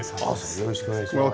よろしくお願いします。